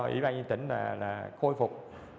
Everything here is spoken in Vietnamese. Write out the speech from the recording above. ủy ban nhân tỉnh là khôi phục